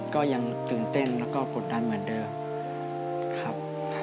ครับ